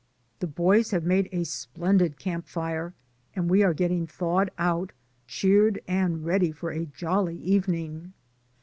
The boys have made a splendid camp fire, and we are getting thawed out, cheered, and ready for a jolly evening.